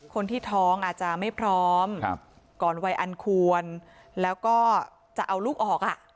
คนที่ท้องอาจจะไม่พร้อมก่อนวัยอันควรแล้วก็จะเอาลูกออกอ่ะ